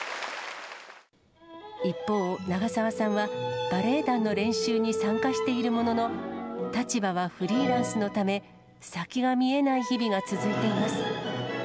一方、長澤さんはバレエ団の練習に参加しているものの、立場はフリーランスのため、先が見えない日々が続いています。